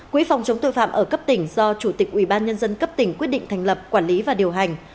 quỹ phòng chống tội phạm ở cấp tỉnh do chủ tịch ubnd cấp tỉnh quyết định thành lập quản lý và điều hành